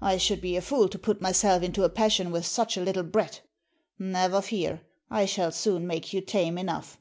I should be a fool to put myself into a passion with such a little brat. Never fear, I shall soon make you tame enough."